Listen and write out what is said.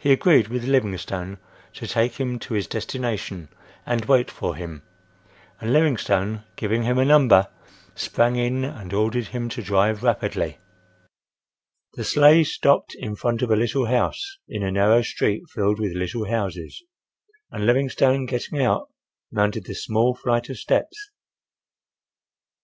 He agreed with Livingstone to take him to his destination and wait for him, and Livingstone, giving him a number, sprang in and ordered him to drive rapidly. The sleigh stopped in front of a little house, in a narrow street filled with little houses, and Livingstone getting out mounted the small flight of steps.